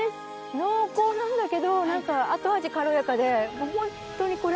濃厚なんだけど後味軽やかでホントにこれ。